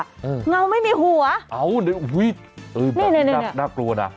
งงาวไม่มีหัวโอ้เนี่ยโอ๊ยกรอบวิจัยน่ากลัวนะ